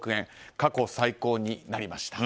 過去最高になりました。